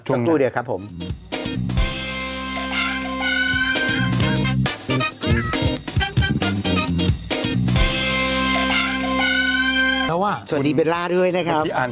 สวัสดีเบจร่าด้วยนะครับ